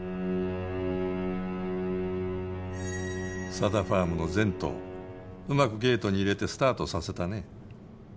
佐田ファームの全頭うまくゲートに入れてスタートさせたね